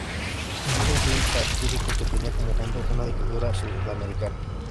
Hizo un film satírico que tenía como fondo a una dictadura sudamericana.